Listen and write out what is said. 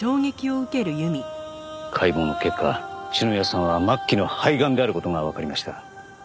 解剖の結果篠宮さんは末期の肺癌である事がわかりました。